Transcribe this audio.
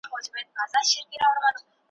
ملنګه ! د کوم دشت هوا پرهر لره دوا ده ,